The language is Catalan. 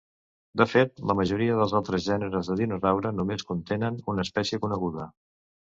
De fet, la majoria dels altres gèneres de dinosaure només contenen una espècie coneguda.